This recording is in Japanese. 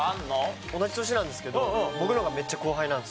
同じ年なんですけど僕の方がめっちゃ後輩なんですよ。